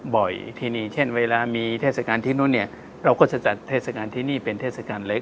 ที่นี่เช่นเวลามีเทศกาลที่นู่นเนี่ยเราก็จะจัดเทศกาลที่นี่เป็นเทศกาลเล็ก